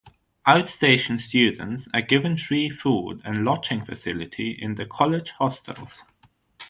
Outstation students are given free food and lodging facility in the college hostels.